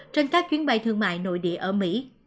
trên các chuyến bay thương mại nội địa ở mỹ